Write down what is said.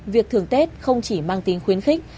việc thưởng tết không chỉ mang tính khuyến khích